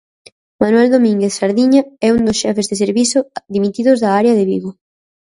Manuel Domínguez Sardiña é un dos xefes de servizo dimitidos da área de Vigo.